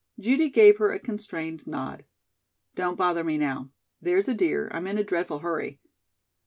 Judy gave her a constrained nod. "Don't bother me now. There's a dear. I'm in a dreadful hurry."